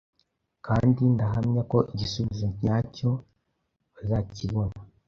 kandi ndahamya ko Igisubizo nyacyo bazakibona